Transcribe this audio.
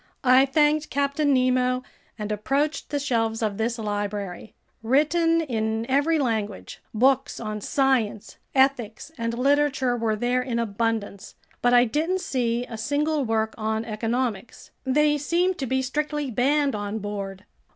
I thanked Captain Nemo and approached the shelves of this library. Written in every language, books on science, ethics, and literature were there in abundance, but I didn't see a single work on economics—they seemed to be strictly banned on board.